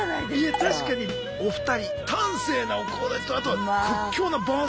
確かにお二人端正なお顔だちとあと屈強なボディー！